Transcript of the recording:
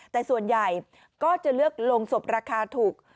แต่ส่วนใหญ่ก็จะเลือกลงศพราคาถูก